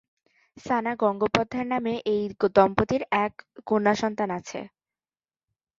সানা গঙ্গোপাধ্যায় নামে এই দম্পতির এক কন্যাসন্তান আছে।